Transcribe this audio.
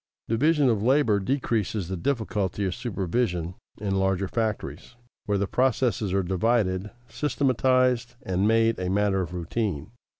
_ Division of labor decreases the difficulty of supervision in larger factories, where the processes are divided, systematized, and made a matter of routine.